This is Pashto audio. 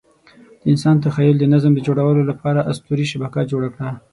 د انسان تخیل د نظم د جوړولو لپاره اسطوري شبکه جوړه کړه.